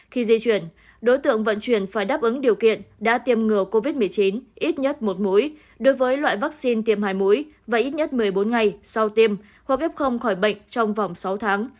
khi di chuyển đối tượng vận chuyển phải đáp ứng điều kiện đã tiêm ngừa covid một mươi chín ít nhất một mũi đối với loại vaccine tiêm hải mũi và ít nhất một mươi bốn ngày sau tiêm hoặc f khỏi bệnh trong vòng sáu tháng